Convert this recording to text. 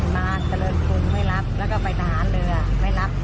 มาเจริญกรุงไม่รับแล้วก็ไปทหารเรือไม่รับ